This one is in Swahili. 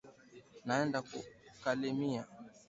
Naenda ku kalemie